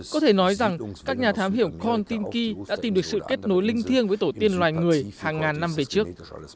có thể nói rằng các nhà thám hiểm kon tiki đã tìm được sự kết nối linh thiêng với tổ tiên loài người hàng ngàn năm về trước